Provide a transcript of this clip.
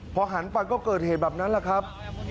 พอหันไปก็เกิดเหตุแบบนั้นแหละครับ